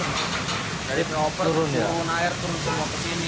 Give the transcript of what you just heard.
dari penyoper turun air turun semua ke sini